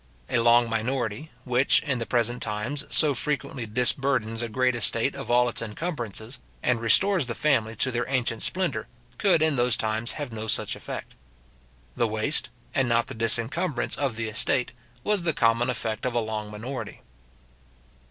A long minority, which, in the present times, so frequently disburdens a great estate of all its incumbrances, and restores the family to their ancient splendour, could in those times have no such effect. The waste, and not the disincumbrance of the estate, was the common effect of a long minority.